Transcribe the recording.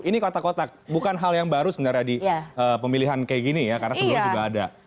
ini kotak kotak bukan hal yang baru sebenarnya di pemilihan kayak gini ya karena sebelumnya juga ada